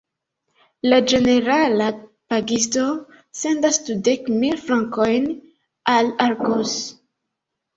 La ĝenerala pagisto sendas dudek mil frankojn al Argos.